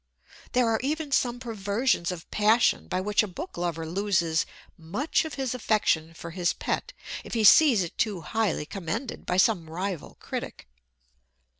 There are even some perversions of passion by which a book lover loses much of his affection for his pet if he sees it too highly commended by some rival critic.